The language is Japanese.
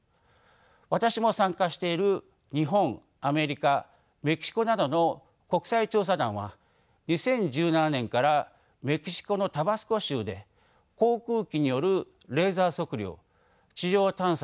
私も参加している日本アメリカメキシコなどの国際調査団は２０１７年からメキシコのタバスコ州で航空機によるレーザー測量地上探査や発掘調査を行いました。